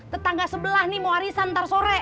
tetangga sebelah nih mau hari santar sore